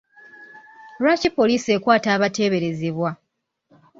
Lwaki poliisi ekwata abateeberezebwa?